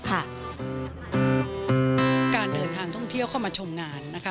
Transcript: การเดินทางท่องเที่ยวเข้ามาชมงานนะคะ